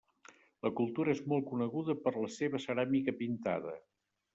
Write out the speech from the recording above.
La cultura és molt coneguda per la seva ceràmica pintada.